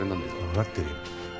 わかってるよ。